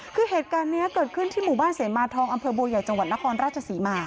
คือเหตุการณ์นี้เกิดขึ้นที่หมู่บ้านเสมาทองอำเภอบัวใหญ่จังหวัดนครราชศรีมา